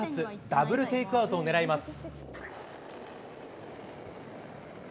ダブルテイクアウトをねらいます。